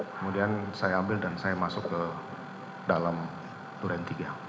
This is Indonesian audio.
kemudian saya ambil dan saya masuk ke dalam duren tiga